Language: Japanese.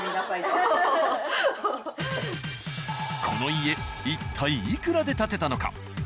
この家一体いくらで建てたのか？